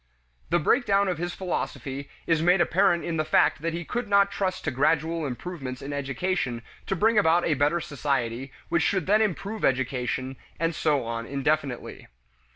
The breakdown of his philosophy is made apparent in the fact that he could not trust to gradual improvements in education to bring about a better society which should then improve education, and so on indefinitely.